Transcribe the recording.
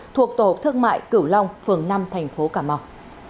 thuộc tổ thương mại cửu long phường năm thành phố cà mau